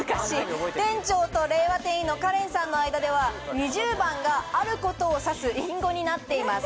店長と令和店員の果怜さんの間では２０番があることを指す隠語になっています。